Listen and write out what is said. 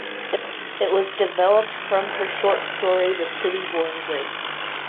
It was developed from her short story "The City Born Great".